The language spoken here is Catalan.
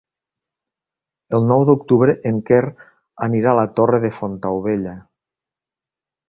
El nou d'octubre en Quer anirà a la Torre de Fontaubella.